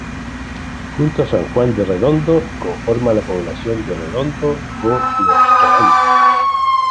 Junto a San Juan de Redondo conforma la población de Redondo, o "Los Redondos".